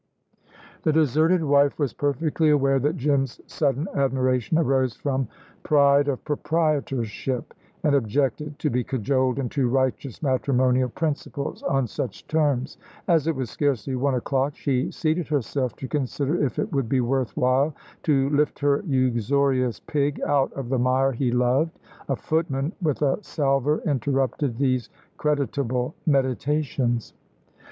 The deserted wife was perfectly aware that Jim's sudden admiration arose from pride of proprietorship, and objected to be cajoled into righteous matrimonial principles on such terms. As it was scarcely one o'clock she seated herself to consider if it would be worth while to lift her uxorious pig out of the mire he loved. A footman with a salver interrupted these creditable meditations.